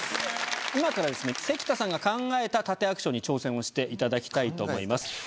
今からですね関田さんが考えた殺陣アクションに挑戦をしていただきたいと思います。